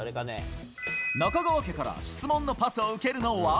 中川家から質問のパスを受けるのは。